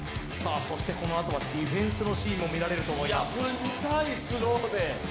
このあとはディフェンスのシーンも見られると思います。